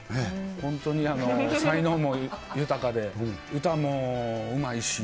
本当に才能も豊かで、歌もうまいし。